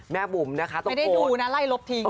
แม่บุ๋มนะคะตกโกรธไม่ได้ดูนะไล่ลบทิ้ง